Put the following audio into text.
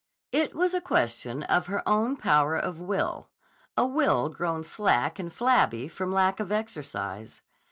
It was a question of her own power of will, a will grown slack and flabby from lack of exercise.